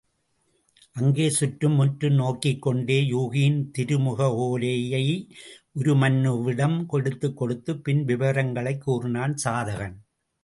அங்கே சுற்றும் முற்றும் நோக்கிக்கொண்டே யூகியின் திருமுக ஒலையை உருமண்ணுவாவிடம் எடுத்துக் கொடுத்த பின் விவரங்களைக் கூறினான் சாதகன்.